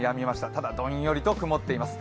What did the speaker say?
ただ、どんよりと曇っています。